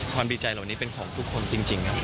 ดีใจเหล่านี้เป็นของทุกคนจริงครับ